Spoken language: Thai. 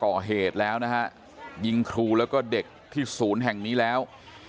ก่อเหตุแล้วนะฮะยิงครูแล้วก็เด็กที่ศูนย์แห่งนี้แล้ว